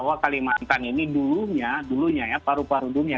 bahwa kalimantan ini dulunya dulunya ya paru paru dunia